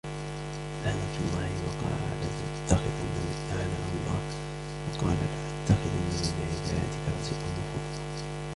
لعنه الله وقال لأتخذن من عبادك نصيبا مفروضا